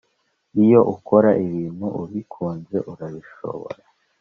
Iyo ukora ibintu ubikunze urabishobora